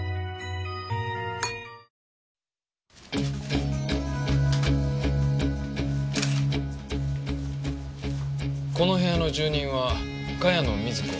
ニトリこの部屋の住人は茅野瑞子。